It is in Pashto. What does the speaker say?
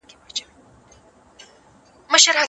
ظرفیت جوړونه په هره اداره کي اړینه ده.